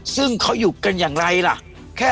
ซึ่งเขาอยู่กันอย่างไรล่ะ